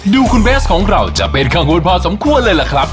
ดูคุณเบสของเราจะเป็นข้างวดพาทสำควรเลยแหละครับ